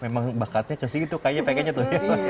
memang bakatnya kesini tuh kayaknya peknya tuh ya